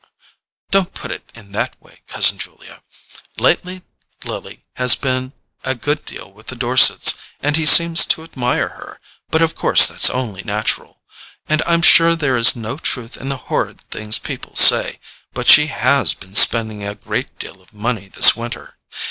"Don't put it in that way, cousin Julia. Lately Lily has been a good deal with the Dorsets, and he seems to admire her—but of course that's only natural. And I'm sure there is no truth in the horrid things people say; but she HAS been spending a great deal of money this winter.